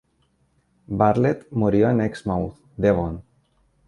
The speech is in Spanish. Bartlett murió en Exmouth, Devon.